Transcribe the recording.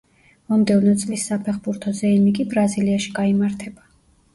მომდევნო წლის საფეხბურთო ზეიმი კი ბრაზილიაში გაიმართება.